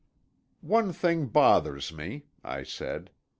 "One thing bothers me," I said.